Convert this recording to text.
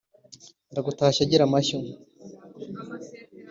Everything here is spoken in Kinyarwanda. Ndagutashya gira amashyo